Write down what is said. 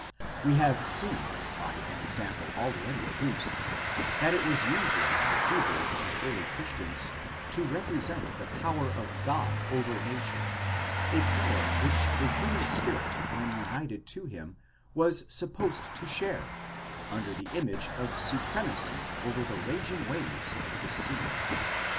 We have seen, by an example already adduced, that it was usual with the Hebrews and early Christians, to represent the power of God over nature, a power which the human spirit when united to him was supposed to share, under the image of supremacy over the raging waves of the sea.